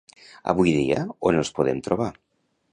Avui dia on els podem trobar?